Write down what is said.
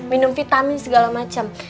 minum vitamin segala macam